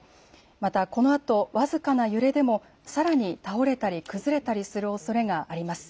またこのあと僅かな揺れでもさらに倒れたり崩れたりするおそれがあります。